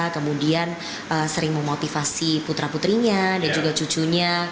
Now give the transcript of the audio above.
kemudian sering memotivasi putra putrinya dan juga cucunya